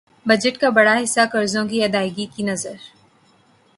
budget کا بڑا حصہ قرضوں کی ادائیگی کی نذر